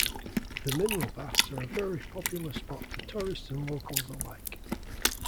The mineral baths are a very popular spot for tourists and locals alike.